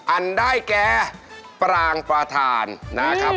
อันได้แก่ปรางประธานนะครับ